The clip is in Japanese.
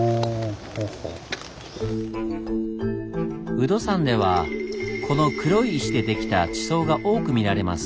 有度山ではこの黒い石でできた地層が多く見られます。